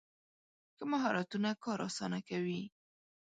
ښه مهارتونه کار اسانه کوي.